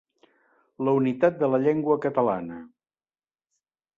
La unitat de la llengua catalana.